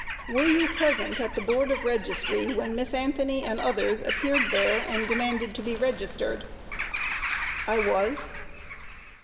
Q. Were you present at the Board of Registry when Miss Anthony and others appeared there and demanded to be registered? A. I was.